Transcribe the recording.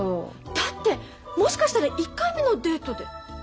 だってもしかしたら１回目のデートで。